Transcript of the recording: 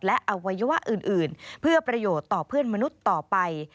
และอวัยวะอื่นเพื่อประโยชน์ต่อเพื่อนมนุษย์ต่อไป